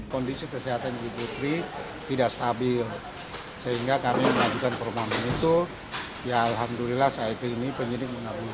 kondisi kesehatan ibu putri tidak stabil sehingga kami mengajukan permohonan itu ya alhamdulillah saat ini penyidik mengakui